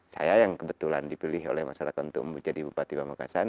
saya yang kebetulan dipilih oleh masyarakat untuk menjadi bupati pamekasan